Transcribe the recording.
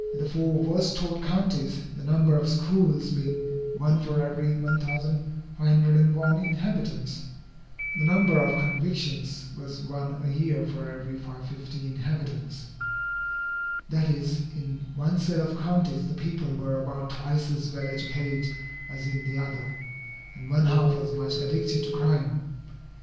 In the four worst taught counties, the number of schools being one for every 1501 inhabitants, the number of convictions was one a year for every 550 inhabitants. That is, in one set of counties, the people were about twice as well educated as in the other, and one half as much addicted to crime.